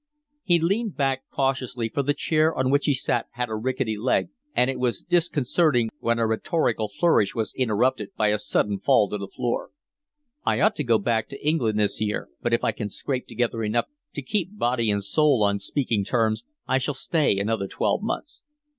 He leaned back cautiously, for the chair on which he sat had a ricketty leg, and it was disconcerting when a rhetorical flourish was interrupted by a sudden fall to the floor. "I ought to go back to England this year, but if I can scrape together enough to keep body and soul on speaking terms I shall stay another twelve months.